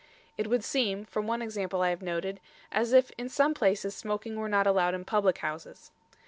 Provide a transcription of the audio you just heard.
It would seem, from one example I have noted, as if in some places smoking were not allowed in public houses.